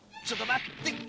ちょっと待って。